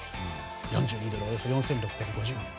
４２ドルおよそ４６５０円です。